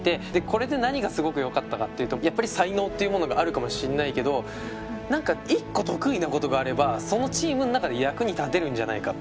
これで何がすごくよかったかっていうとやっぱり才能っていうものがあるかもしんないけど何か一個得意なことがあればそのチームの中で役に立てるんじゃないか。